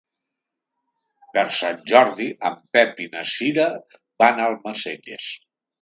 Per Sant Jordi en Pep i na Cira van a Almacelles.